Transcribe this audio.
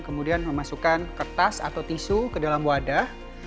kemudian memasukkan kertas atau tisu ke dalam wadah